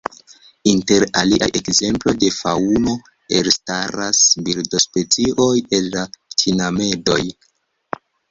Inter aliaj ekzemplo de faŭno elstaras birdospecioj el la tinamedoj.